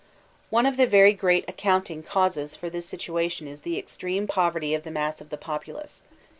One of the very great accounting causes for this situa* tion is the extreme poverty of the mass of the populace.